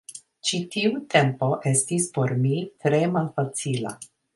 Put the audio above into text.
Ĉi tiu tempo estis por mi tre malfacila.